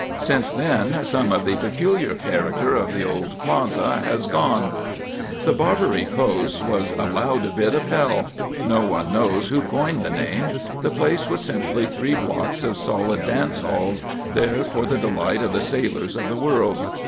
Since then some of the peculiar character of the old plaza has gone. The Barbary Coast was a loud bit of hell. No one knows who coined the name. The place was simply three blocks of solid dance halls, there for the delight of the sailors of the world.